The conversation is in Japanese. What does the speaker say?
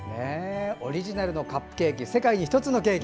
オリジナルのカップケーキ世界に１つのケーキ